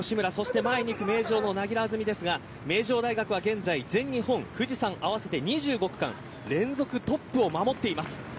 前に行く名城の柳樂あずみですが名城大学は全日本富士山合わせて２５区間連続トップを守っています。